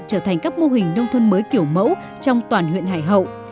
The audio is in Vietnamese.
trở thành các mô hình nông thôn mới kiểu mẫu trong toàn huyện hải hậu